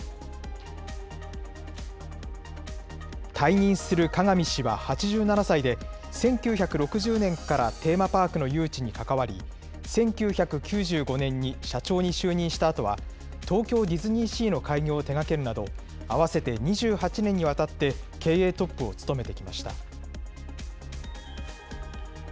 退任する加賀見氏は８７歳で１９６０年からテーマパークの誘致に関わり、１９９５年に社長に就任したあとは、東京ディズニーシーの開業を手がけるなど、合わせて２８年にわたって経営トップを務めてきました。